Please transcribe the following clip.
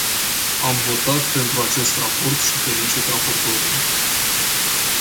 Am votat pentru acest raport și felicit raportorul.